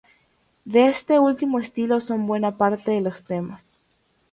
De este último estilo son buena parte de los temas.